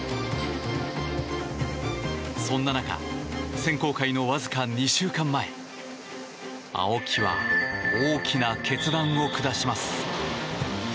そんな中選考会のわずか２週間前青木は大きな決断を下します。